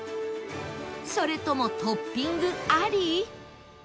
それともトッピングあり？